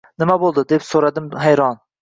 «Nima bo’ldi?» — deya so’radim hayron.